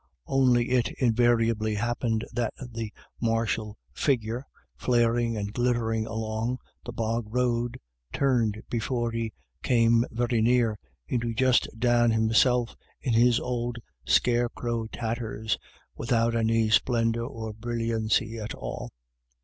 Only it invariably happened that the 228 IRISH IDYLLS. martial figure, flaring and glittering along the bog road, turned, before he came very near, into just Dan himself in his old scarecrow tatters, without any splendour or brilliancy at all.